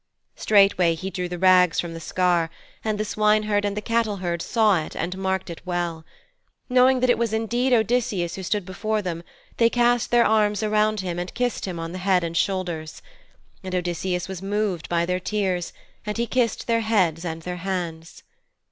Straightway he drew the rags from, the scar, and the swineherd and the cattleherd saw it and marked it well. Knowing that it was indeed Odysseus who stood before them, they cast their arms around him and kissed him on the head and shoulders. And Odysseus was moved by their tears, and he kissed their heads and their hands.